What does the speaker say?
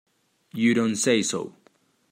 You don't say so!